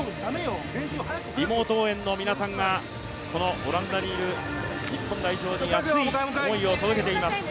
リモート応援の皆さんが、オランダにいる日本代表に熱い思いを届けています。